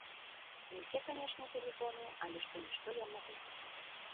Не ўсе, канечне, тэлефоны, але што-нішто я магу.